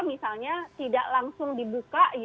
misalnya tidak langsung dibuka